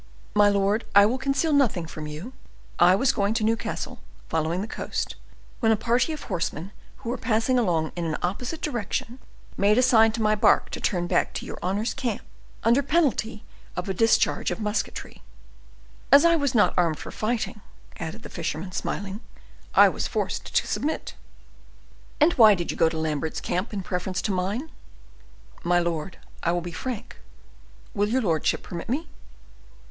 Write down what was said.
"My lord, I will conceal nothing from you. I was going to Newcastle, following the coast, when a party of horsemen who were passing along in an opposite direction made a sign to my bark to turn back to your honor's camp, under penalty of a discharge of musketry. As I was not armed for fighting," added the fisherman, smiling, "I was forced to submit." "And why did you go to Lambert's camp in preference to mine?" "My lord, I will be frank; will your lordship permit me?"